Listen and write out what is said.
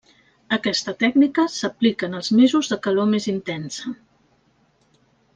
Aquesta tècnica s'aplica en els mesos de calor més intensa.